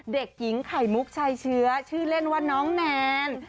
เด็กหญิงไข่มุกชายเชื้อชื่อเล่นว่าน้องแนน